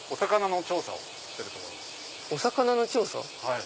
お魚の調査？